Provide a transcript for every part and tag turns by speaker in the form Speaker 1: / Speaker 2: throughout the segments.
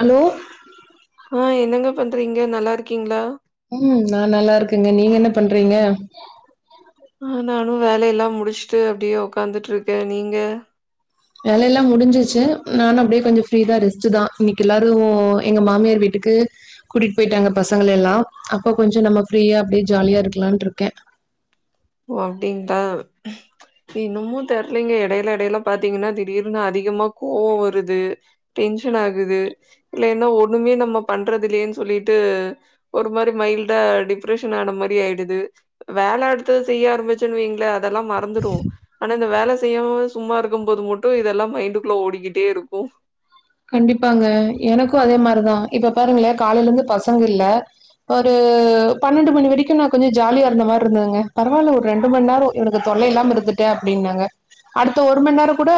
Speaker 1: Allow
Speaker 2: ஆ என்னங்க பண்றீங்க நல்லா இருக்கீங்களா
Speaker 1: ம் நா நல்லா இருக்கேங்க நீங்க என்ன பண்றீங்க
Speaker 2: ஆநாலு வேல எல்லா முடிச்சுட்டு அப்படியே உக்காந்துட்ருக்க நீங்க
Speaker 1: வேலைய எல்லா முடிஞ்சுச்சு நானு அப்படியே கொஞ்சோ ஃப்ரீதா ரெஸ்ட் தா இன்னைக்கு எல்லாரு எங்க மாமியார் வீட்டுக்கு கூட்டிட்டு போயிட்டாங்க பசங்க எல்லா அப்போ கொஞ்சோ நம்ம ஃப்ரீயா அப்படியே ஜாலியா இருக்கலான்ருக்க
Speaker 2: ஓ அப்டிங்களா இன்னுமு தெரலங்க இடையில இடையில பாத்தீங்கன்னா திடீர்னு அதிகமா கோவோ வருது டென்ஷன் ஆகுது இல்லன்னா ஒண்ணுமே நம்ம பண்றதில்லேன்னு சொல்லிட்டு ஒரு மாரி மைல்டா டிப்ரஷன் ஆன மாரி ஆயிடுது வேலடு த்இதே ஆரம்பிச்சொனு வைங்களே அதெல்லா மறந்துருவோ ஆனாத் த இந்த வேல செய்யாம சும்மா இருக்கு போது மட்டு இதெல்லா மைண்டுக்குள்ள ஓடிக்கிட்டே இருக்கு
Speaker 1: கண்டிப்பாங்க எனக்கு அதே மாரிதா இப்ப பாருங்கலே காலயில இருந்து பசங்க இல்ல ஓரு பன்னெண்டு மணி வரைக்கும் நான் கொஞ்சோ ஜாலியா இருந்த மாரி இருந்ததுங்க பரவாயில ஒரு ரெண்டு மணி நேரம் இவனகு தொல்லை இல்லாம இருந்துட்ட அப்படின்னாங்க அடுத்த ஒரு மணி நேரம் கூட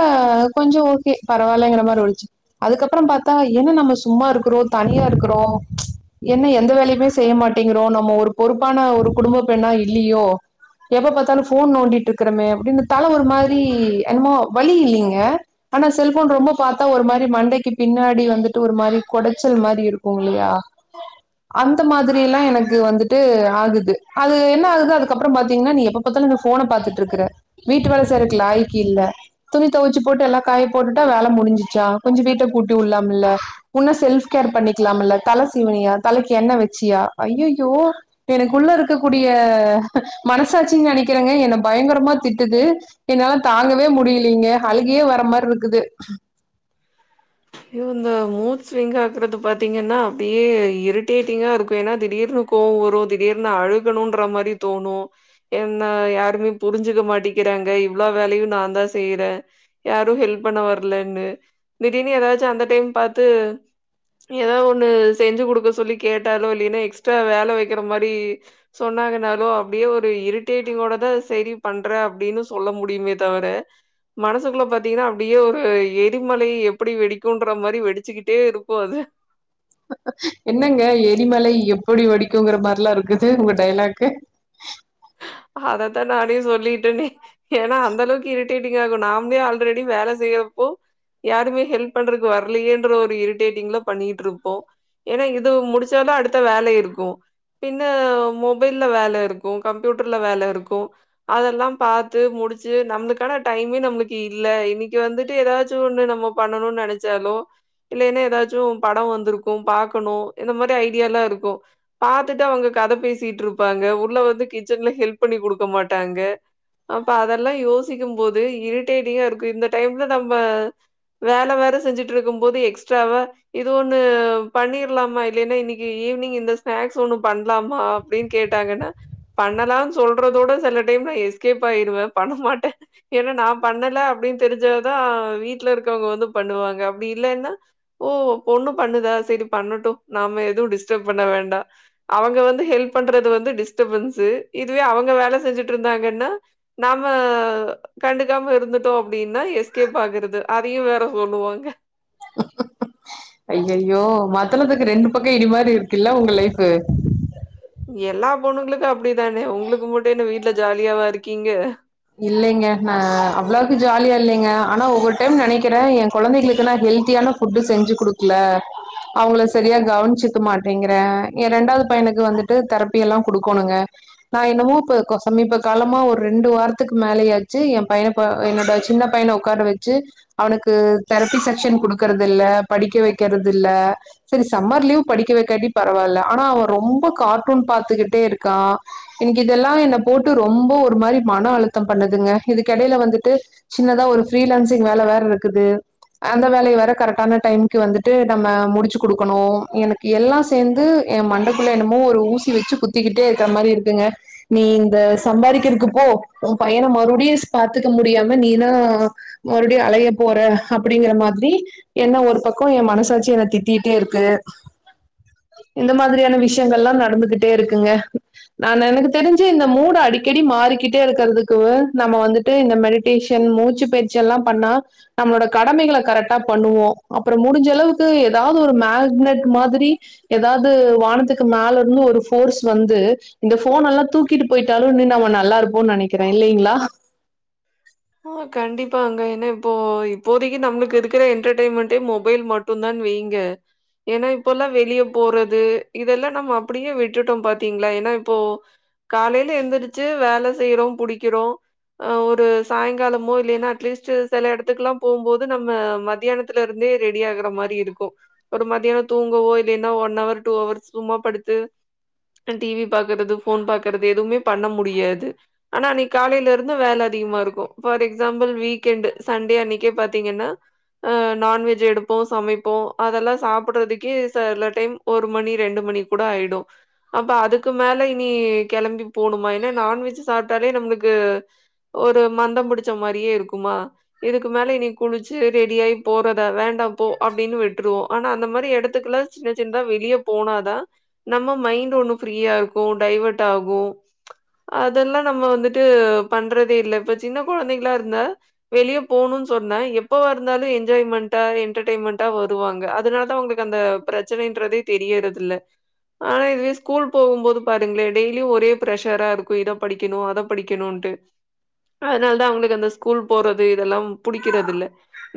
Speaker 1: கொஞ்சோ ஓகே பரவாயில்லங்கிற மாரி ஒழிச் அதுக்கப்புரோ பாத்தா என்ன நம்ம சும்மா இருக்கிறோ தனியா இருகுறோ ம்சு என்ன எந்த வேலையுமே செய்ய மாட்டிங்கிறோ நம்ம ஒரு பொறுப்பான ஒரு குடும்ப பெண்ணா இல்லியோ எப்ப பாத்தாலு போன் நோண்டிட்டு ருக்கிறோமே அப்டினு தால ஒரு மாரி என்மோ வழி இல்லிங்க ஆனா செல் ஃபோன் ரொம்ப பாத்தா ஒரு மார் பி மண்டைக்கு பின்னாடி வந்துட்டு ஒரு மாரி குடைச்சல் மாரி இருக்குமில்லையா அந்த மாதிரி எல்லா எனக்கு வந்துட்டு ஆகுது அது என்ன ஆகுது அதுக்கப்ரோ பாத்தீங்கன்னா நீ எப்ப பத்தாலு இந்த ஃபோன பாத்துட்டு இருக்ற வீட்டு வேல சேரைக்கு லாக்கில்ல துணி துவச்சு போட்டு எல்லா காய போட்டுட்டா வேல முடிஞ்சுச்சா கொஞ்சோ வீட்ட கூட்டி உள்ளலாம்ல்ல உன்ன செல்ஃப் கேர் பண்ணிக்கலாம்ல்ல தல சீவனியா தலைக்கு என்ன வச்சியா அய்யய்யோ எனக்குள்ள இருக்கக்கூடிய மனசாச்சின் நினைக்கிறேங்க என்னை பயங்கரமா திட்டுது என்னால தாங்கவே முடியலீங்க அழுகே வர மாரிருக்குது
Speaker 2: இவுங்க மூத் ஸ்விங்க இருக்றத பாத்தீங்கன்னா அப்படியே இரிட்டேட்டிங்கா இருக்கு ஏன்னா திடீர்னு கோவோ வரு திடீர்னு அழுகணும்ன்ற மாரி தோணு என்ன யாருமே புரிஞ்சிக மாட்டிக்கிறாங்க இவ்லோ வேலையு நா தா செய்யறே யாரு ஹெல்ப் பண்ண வர்லன்னு திடீனு ஏதாச்சு அந்த டைம் பாத்து ஏதோ ஒண்ணு செஞ்சு கொடுக்க சொல்லி கேட்டாலோ இல்லன்னா எக்ஸ்ட்ரா வேல வக்கிற மாரி சொன்னாங்கனாலோ அப்படியே ஒரு இரிட்டேட்டிங்கோட தா சரி பண்ற அப்படின்னு சொல்ல முடியுமே தவிர மனசுக்குள்ள பாார்த்தீங்கன்னா அப்டியே ஒரு எரிமலைப் எப்டி வெடிக்கும்ன்ற மாரி வெடிச்சுக்கிட்டே இருக்கு அது
Speaker 1: ஹ ஹ என்னங்க எரிமலை எப்படி வடிக்குங்கிற மாரிலா இருக்கு உங்க டைலாக்கு
Speaker 2: அதத்தா நானே சொல்லிட்டேனே ஏனா அந்த அளவுக்கு இரிட்டேட்டிங் ஆகு நாம்ளே ஆல்ரெடி வேல செய்யறப்போ யாருமே ஹெல்ப் பண்றக்கு வரலையேன்ற ஒரு இரிட்டேட்டிங்ல பண்ணிட்டு இருப்போ ஏன்னா இது முடிச்சாலு அடுத்த வேல இருக்கு பின்னா மொபைல்ல வேல இருக்கு கம்ப்யூட்டர்ல வேல இருக்கு அதெல்லா பாத்து முடிச்சு நம்ளுக்கான டைமே நம்ளுக்கு இல்ல இன்னைக்கு வந்துட்டு ஏதாச்சு ஒன்னு நம்ம பண்ணணுனு நினைச்சாலோ இல்லைனா ஏதாச்சு படோ வந்திருக்கு பாக்கணு இந்த மாரி ஐடியால்லா இருக்கு பாத்துட்டு அவங்க கத பேசிட்ருப்பாங்க உள்ள வந் கிச்சன்ல ஹெல்ப் பண்ணி குடுக்க மாட்டாங்க அப்ப அதெல்லா யோசிக்கு போது இரிட்டேட்டிங்கா இருக்கு இந்த டைம்ல நம்ம வேல வேற செஞ்சுட்ருக்கு போது எக்ஸ்ட்ராவா இது ஒண்ணு பண்ணிரலாமா இல்லைன்னா இன்னிக்கு ஈவினிங் இந்த ஸ்நாக்ஸ் ஒண்ணு பண்ணலாமா அப்படின்னு கேட்டாங்கன்னா பண்ணலா சொல்றதோடு சில டைம்ல எஸ்கேப் ஆயிருவ பண்ண மாட்ட ஹ ஏன்னா நா பண்ணல அப்படின்னு தெரிஞ்சாதா வீட்டுல இருக்கவங்க வந்து பண்ணுவாங்க அப்படில்லனனா ஓ பொண்ணு பண்ணுதா சரி பண்ணட்டு நாம எதுவு டிஸ்டர்ப் பண்ண வேண்டா அவங்க வந்து ஹெல்ப் பண்றது வந்து டிஸ்டபன்ஸ் து இதுவே அவங்க வேல செஞ்சுட்ருந்தாங்கன்னா நாமா கண்டுக்காம இருந்துட்டோ அப்படின்னா எஸ்கேப் ஆகுறது அதையு வேற சொல்லுவாங்க
Speaker 1: அய்யய்யோ மத்தலதுக்கு ரெண்டு பக்கம் இடி மாரி இருக்குல்ல உங்க லைஃபூ
Speaker 2: எல்லா பொண்ணுங்களுக்கு அப்டிதானே உங்ளுக்கு மட்டு என்ன வீட்டு்ல ஜாலியாவா இருக்கீங்க
Speaker 1: இல்லைங்க நா அவ்லோக்கு ஜாலியா இல்லைங்க ஆனா ஒவ்வொரு டைம் நினைக்கிறே என் குழந்தைகளுக்கு நா ஹெல்த்தியான ஃபுட்டு செஞ்சு குடுக்கல அவங்கள சரியா கவனிச்சுக்க மாட்டேங்கறே எ ரெண்டாவது பையனுக்கு வந்துட்டு தெரப்பி எல்லா குடுக்கோணுங்க நா என்னமோ இப்ப கோசமீப காலமா ஒரு ரெண்டு வாரத் த்துகு மோலயாச்சு என் பைய ப என்னோட சின்ன பையன உட்கார வச்சு அவனுக்கு தெரபி செக்ஷன் குடுக்கறது இல்ல படிக்க வைக்கிறது இல்ல சரி சம்மர் லீவ் படிக்க வைக்காட்டி பரவாயில்ல ஆனா அவ ரொம்ப கார்ட்டூன் பாத்துக்கிட்டே இருக்கா இன்க்கு இதெல்லா என்ன போட்டு ரொம்ப ஒரு மாரி மன அழுத் த்து பண்ணுதுங்க இதுக்கடையில வந்துட்டு சின்னதா ஒரு ரீலான்சிங் வேல வேற இருக்குது அந்த வேலைய வேற கரெக்டான டைமு வந்துட்டு நம்ம முடிச்சு குடுக்கணு எனக்கு எல்லா சேந்து எ மண்டக்குள்ள என்னமோ ஒரு ஊஸ் குத்தி வச்சு குத்திக்கிட்டே இருக்குற மாரி இருக்குங்க நீ இந்த சம்பாரிகிறதுகு போ உ பயன மறுபடியுஸ் பாத்துக்க முடியாம நீதான் மறுபடியு அலைய போற ஹ் அப்படிங்கிற மாரி என்ன ஒரு பக்கோ என் மனசாச்சு என்ன திட்டிட்டே இருக்கு இந்த மாதிரியான விஷயங்கலா நடந்துகிட்டே இருக்குங்க நா எனக்கு தெரிஞ்சு இந்த மூட அடிக்கடி மாறிக்கிட் டியா இருக்குதுக்கு நம்ம வந்துட்டு இந்த மெடிடேஷன் மூச்சு பயிற்சி எல்லா பண்ணா நம்மளோட கடமைகள கரெக்டா பண்ணுவோ அப்புரோ முடிஞ்ச அளவுக்கு ஏதாவது ஒரு மேக்னட் மாதிரி ஏதாவது வானத்துக்கு மேல இருந்து ஒரு போர்ஸ் வந்து இந்த போன் எல்லா தூக்கிட்டு போயிட்டாலு இன்னு நம்ம நல்லா இருப் போன்னு நினைக்கிற இல்லலைங்களா
Speaker 2: ஆ கண்டிப்பாங்க ஏன்னா இப்போ இப்போதைக்கு நம்மளுக்கு இருக்கிற என்டர்டெயின்மெண்டே மொபைல் மட்டும் தான் வைுங்க ஏன்னா இப்பல்லாம் வெளியே போறது இதெல்லாம் நம்ம அப்படியே விட்டுட்டோம் பாத்தீங்களா ஏன்னா இப்போ காலையில எந்திரிச்சு வேல செய்யறோம் புிடிக்கிறோம் அஹ் ஒரு சாயங்காலமோ இல்லைன்னா அட்லீஸ்ட் சில இடத்துக்கெல்லா போகும்போது நம்ம மத்தியானத்துல இருந்தே ரெடி ஆகுற மாரி இருக்கும் ஒரு மத்தியானம் தூங்கவோ இல்லைன்னா ஒன் ஹவர் டூ ஹவர் சும்மா படுத்து டிவி பாரக்றது போஃபன் பாக்றது எதுவுமே பண்ண முடியாது ஆனா அன்னை காலையில இருந்து வேல அதிகமா இருக்கு பார் எக்ஸாம்பிள் வீக்கெண்ட் சண்டே அன்னைக்கே பாத்தீங்கன்னா அ நான்வெஜ் எடுப்போம் சமைப்போம் அதெல்லாம் சாப்பிடுறதுக்கே சில டைம் ஒரு மணி ரெண்டு மணி கூட ஆயிடும் அப்ப அதுக்கு மேல இனி கிளம்பி போணுமா ஏனா நான்வெஜ் சாப்பிட்டாலே நம்ளுக்கு ஒருப் மந்த பிடுச்ச மாரியே இருக்குமா இதுக்கு மேல இனி குளிச்சு ரெடிாயி போறதா வேண்டாம் போ அப்படின்னு விட்டுருவோ ஆனா அந்த மாதிரி இடத்துக்குல்லா சின்ன சின்னதா வெளியே போனாதா நம்ம மைண்ட் ஒண்ணு ஃப்ரீயா இருக்கு டைவட் ஆகு அதெல்லா நம்ம வந்துட்டு பண்றதே இல்ல சின்ன குழந்தைகளா இருந்தா வெளியே போகணுனு சொன்ன எப்பவ இருந்தாலு என்ஜாய்மெண்டா என்டர்டெயின்மென்ட்டா வருவாங்க அதனாலதா உங்களுக்கு அந்த பிரச்சனைன்றதே தெரியறத இல்ல ஆனா இதுவே ஸ்கூல் போகும்போது பாருங்களே டெய்லியு ஒரே பிரரெஷரா இருக்கு இத படிக்கணு அத படிக்கணும்ட்டு அதனால தான் அவங்களுக்கு அந்த ஸ்கூல் போறது இதெல்லாம் புிடிக்கிறது இல்ல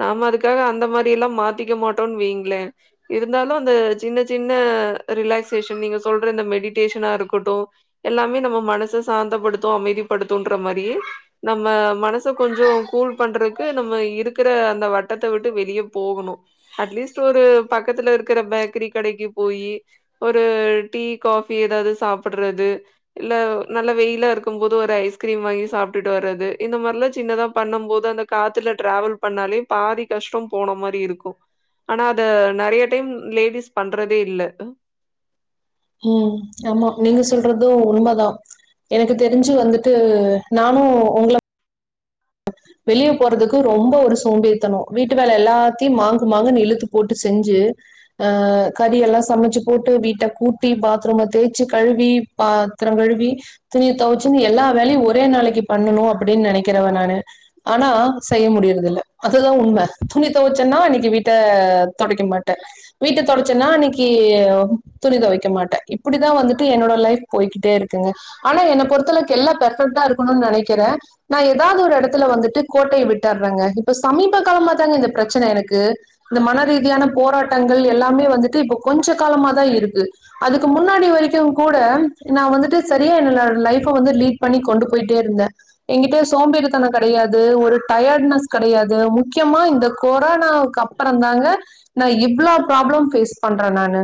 Speaker 2: நாம அதுக்காக அந்த மாதிரி எல்லாம் மாத்திக்க மாட்டோம்ன்னனு வீ இருந்தாலும் அந்த சின்னின்ன சின்ன ரிலாக்சேஷன் நீங்க சொல்ற இந்த மெடிடேஷனா இருக்கட்டும் எல்லாமே நம்ம மனச சாந்தப்படுத்தும் அமைதிப்படுத்தும்ன்ற மாதிரியி நம்ம மனச கொஞ்சம் கூல் பண்றதுக்கு நம்ம இருக்கிற அந்த வட்டத்தை விட்டு வெளியே போகணும் அட்லீஸ்ட் ஒரு பக்கத்துல இருக்கிற பேக்கரி கடைக்கு போயி ஒரு டீ காபி ஏதாவது சாப்பிடுறது இல்ல நல்ல வெயில இருக்கும் போோது ஒரு ஐஸ்கிரீம் வாங்கி சாப்பிட்டு வது இந்த மாதிரல்லாம் சின்னதா பண்ணும் போோது அந்த காத்துல டிராவல் பண்ணாலே பாதி கஷ்டம் போன மாதிரி இருக்கும் ஆனா அத நிறைய டைம் லேடிஸ் பண்றதே இல்ல
Speaker 1: உம் ஆமா நீங்க சொல்றதும் உண்மை தான் எனக்கு தெரிஞ்சு வந்துட்டு நானும் உங்களை வெளியே போறதுக்கு ரொம்ப ஒரு சோம்பியத்தணும் வீட்டு வேலை எல்லாத்தையும் மாங்கு மாங்கு இழுத்து போட்டு செஞ்சு ஆஹ் கறிெல்லாம் சமைச்சு போட்டு வீட்டை கூட்டி பாத்ரூம் தேய்ச்சு கழுவி பாத்திரம் கழுவி துணிய துவச்சுன்னு எல்லா வேலையும் ஒரே நாளைக்கு பண்ணணும் அப்படின்னு நினைக்கிறவன் நானான் ஆனா செய்ய முடியறத இில் அதுதான் உண்மை துணி துவைச்சேன்னா இன்னைக்கு வீட்டை துடைக்க மாட்டேன் வீட்டை தொடுடைச்சேன்னா இன்னைக்கு துணி துவைக்க மாட்டேன் இப்படிதான் வந்துட்டு என்னோட லைஃப் போய்கிட்டே இருக்குங்க ஆனா என்னை பொறுத்தளக்கு எல்லாம் பெர்ஃபெக்ட்டா இருக்கணும்னு நினைக்கிறேன் நான் ஏதாவது ஒரு இடத்துல வந்துட்டு கோட்டையை விட்டறங்க இப்ப சமீப காலமா தா பிரச்சனை எனக்கு இந்த மன ரீதியான போராட்டங்கள் எல்லாமே வந்துட்டு இப்ப கொஞ்ச காலமா தான் இருக்கு அதுக்கு முன்னாடி வரைக்கும் கூட நான் வந்துட்டு சரியா என்ட் பண்ணி கொண்டு போயிட்டே இருந்தேன் எ்கிட்ட சோம்பேடுத்தன கிடையாது கிடையாது முக்கியமா இந்த கொரோனாக்கு அப்புறம் தாங்க நான் இவ்ளவு பப்ளம் பண்றேன் நான்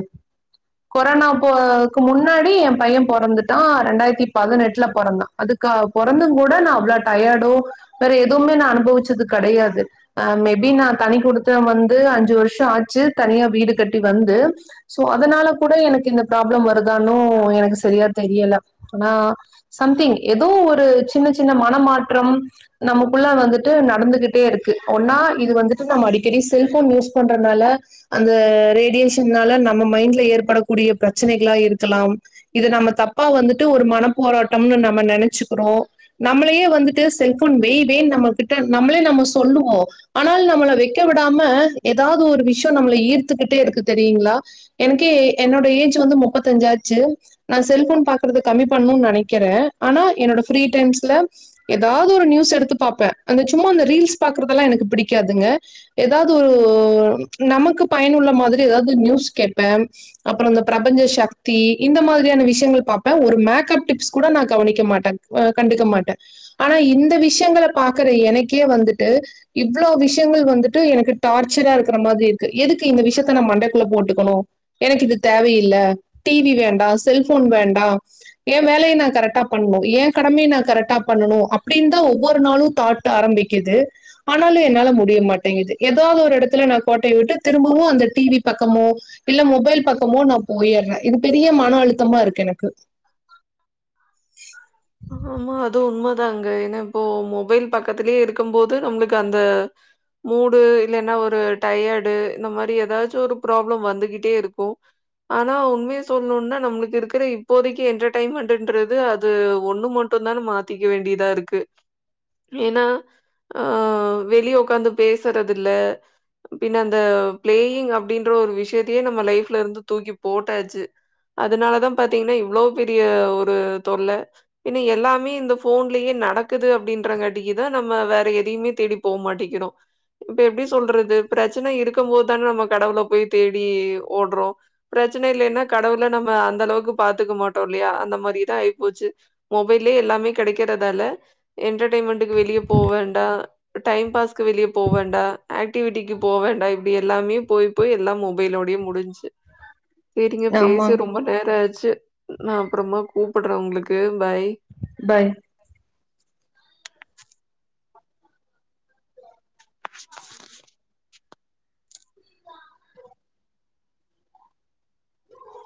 Speaker 1: கொரோனாக்கு முன்னாடி என் பையன் பிறந்துட்டான் ரெண்டாயிரத்தி பதினெட்டுல பிறந்தேன் அதுக்கு பறந்தும் கூட நான் அவ்ளவு டயர்டும் வேற எதுவுமே நான் அனுபவிச்சது கிடையாது அஹ் மேபி நான் தனி கொடுத்தன் வந்து அஞ்சு வருஷம் ஆச்சு தனியா வீடு கட்டி வந்து சோ அதனால கூட எனக்கு இந்த ப்ராப்ளம் வருதானனு எனக்கு சரியா தெரியல ஆனா சம்திங் ஏதோ ஒரு சின்ன சின்ன மனமாற்றம் நமக்குள்ள வந்துட்டு நடந்துகிட்டே இருக்கு ஒன்னா இது வந்துட்டு நம்ம அடிக்கடி செல்போன் யூஸ் பண்றதுனால அந்த ரேடியேஷன்னால நம்ம மைண்ட்ல ஏற்படக்கூடிய பிரச்சனைகளா இருக்கலாம் இதை நம்ம தப்பா வந்துட்டு ஒரு மனப்போராட்டம்னு நம்ம நினைச்சுக்கிறோம் நம்மளையே வந்துட்டு செல் நம்மிட்ட நம்மளே நம்ம சொல்லுவோம் ஆனால் நம்மளை வைக்க விடாம ஏதாவது ஒரு விஷயம் நம்மளை ஈர்த்துக்கிட்டே இருக்கு தெரியுங்களா எனக்கே என்னோட ஏஜ் வந்து முப்பத்தஞ்ச ஆச்சு நான் செல்போன் பாக்கறத கம்மி பண்ணும் நினைக்கிறேன் ஆனா என்னோட ஃப்ரீ டைம்ஸ்ல ஏதாவது ந எடுத்து பாேன் அந்த சும்மா அ ரீல்ஸ் பாக்றதெல்லாம் எனக்கு பிடிக்காதுங்க ஏதாவது ஒரு நமக்கு பயனுள்ள மாதிரி ஏாவது நியூஸ் கேப்ப அப்புற பிரபஞ்ச சக்தி இந்த மாதிரியான விஷயங்கள் பாப்ப ஒரு மேக்கப்ஸ் டிப்ஸ் கூட நான் கவனிக்க மாட்டேன் கண்டுக்க மாட்டேன் ஆனா இந்த விஷயங்க பாார்கற எனக்கே வந்துட்டு இவ்வளோ விஷயங்கள் வந்துட்டு எனக்கு டார்ச்சரா இருக்கிற மாதிரி இருக்கு எதுக்கு இந்த விஷயத்த நான் மண்டைக்குள்ள போட்டுக்கணும் எனக்கு இது தேவையில்ல டிவி வேண்டாம் செல்போன் வேண்டாம் என் வேலையை நான் கரெக்ட் பண்ணணும் ஏன் கடம நான் கரெக்டா பண்ணனும் அப்ப அப்படின்னு தான் ஒவ்வொரு நாளும் தாட்டு ஆரம்பிக்குது ஆனாலும் என்னால முடிய மாட்டேங்குது ஏதாவது ஒரு இடத்துல நான் கோட்டையை விட்டு திரும்பவும் அந்த டிவி பக்கமும் இல்ல மொபைல் பக்கபோ நான் போயிடுறேன் இது பெரிய மன அழுத்தமா இருக்கு எனக்கு
Speaker 2: ங்க ஏன்னா இப்போ மொபைல் பக்கத்திலயே இருக்கும் போோது நம்மளுக்கு அந்த மூடு இல்ன்னா ஒரு டயர்டு இந்த மாதிரி ஏதாச்சும் ஒரு ப்ராப்ளம் வந்துகட்டு இரு ஆனா உண் சொணும்னா நம்ம இருக்க இப்போதைக்கு என்மென்றது அது ஒண்ணு மட்டும் தானே மாத்திக்க வேண்டியதா இருக்கு ஏன்னாஹ வெளிய உ்காந்து பேசுறது இல அந்த பிளயிங் அப்படின்ற ஒரு விஷய லைஃப்ல இருந்து தூக்கி போட்டாச்சு அதனாலதான் பாத்தீங்கன்னா இவ்வளவு பெரிய ஒரு தொல் இன்ன எல்லாமே இந்த போன்லயே நடக்குது அப்படின்றங்கட்டிக்குதான் நம்ம வேற எதையுமே தேடி போக மாட்டேிக்கிறோம் இப்ப எப்படி சொல்றது பிரச்சனை இருக்கும் போது தானே நம்ம கடவுல போய் தேடி ஓடுறோம் பிரச்சனை இல்ன்னா கடவுள நம்ம அந்த அளவுக்கு பாத்துக்க மாட்டோம் இல்லையா அந்த மாதிரி தான் ஆயிப்போச்சு மொபைல்லே எல்லாமே கிடைக்கறதால என்டர்டன்மென்க்கு வெளியே போ வேண்டாம் டைம் பாஸ்கு வெளியே போ வேண்டாம் ஆக்டிவிட்டிக்கு போ வேண்டாம் இப்படி எல்லாமே போய் போய் எல்லாம் லோடே முடிஞ்சு சரிங்க
Speaker 1: ஆமா.
Speaker 2: பேசி ரொம்ப நேரம் ஆயிச்சு நான் அப்புறமா கூப்ப படுற உங்களுக்கு பாய்
Speaker 1: பாய்
Speaker 2: [unintelligible] [unintelligible]